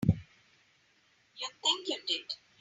You think you did.